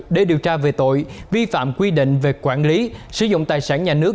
để điều tra về tội vi phạm quy định về quản lý sử dụng tài sản nhà nước